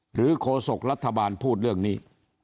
หรือโคศกรัฐบาลพูดเรื่องนี้